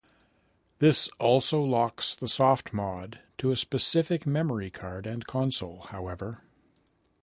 This also locks the softmod to a specific memory card and console, however.